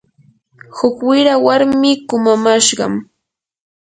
huk wira warmi kumamashqam.